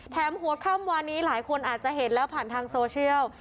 หัวค่ำวานนี้หลายคนอาจจะเห็นแล้วผ่านทางโซเชียล